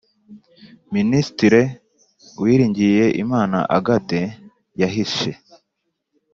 Ministre uwiringiyimana agathe yahishe